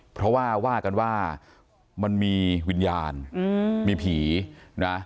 เพราะว่าว่ากันว่ามันมีวิญญาณมีผีนะ